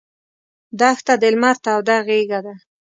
دښته د لمر توده غېږه ده.